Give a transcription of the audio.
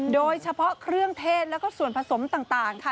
โดยเฉพาะเครื่องเทศแล้วก็ส่วนผสมต่างค่ะ